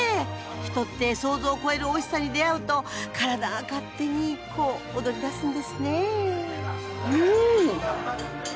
人って想像を超えるおいしさに出会うと体が勝手にこう踊り出すんですねうん！